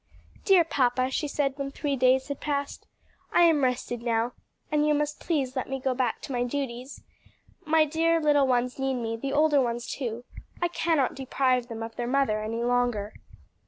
"Dear papa," she said when three days had passed, "I am rested now, and you must please let me go back to my duties. My dear little ones need me; the older ones too. I cannot deprive them of their mother any longer."